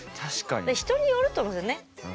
人によると思うんですよね。